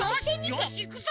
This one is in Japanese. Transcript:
よしいくぞ！